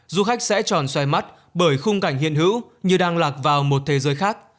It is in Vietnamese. du khách sẽ tròn xoay mắt bởi khung cảnh hiên hữu như đang lạc vào một thế giới khác